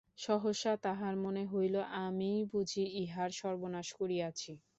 সহসা তাহার মনে হইল আমিই বুঝি ইহার সর্বনাশ করিয়াছি।